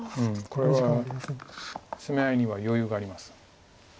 これは攻め合いには余裕があります。